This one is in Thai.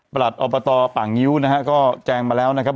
ประหลัดอัลปะตอป่างงิ้วนะฮะก็แจ้งมาแล้วนะครับ